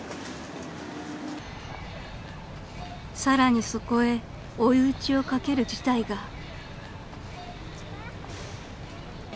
［さらにそこへ追い打ちをかける事態が］